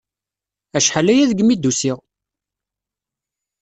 Acḥal-aya degmi d-usiɣ!